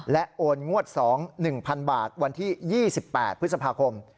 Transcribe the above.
และโอนงวด๒๑๐๐๐บาทวันที่๒๘พฤษภาคม